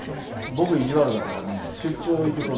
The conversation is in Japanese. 僕意地悪だからね出張行くとね